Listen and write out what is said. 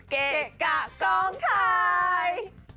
เกะกะกองถ่าย